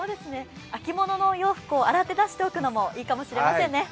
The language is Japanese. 秋物のお洋服を洗っておくのもいいかもしれませんね。